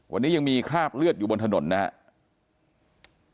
วันนี้ยังมีคราบเลือดอยู่บนถนนนะครับ